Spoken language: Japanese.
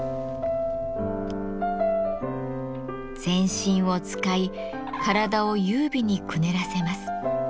全身を使い体を優美にくねらせます。